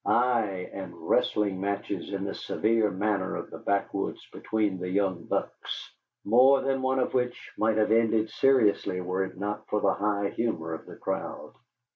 Ay, and wrestling matches in the severe manner of the backwoods between the young bucks, more than one of which might have ended seriously were it not for the high humor of the crowd.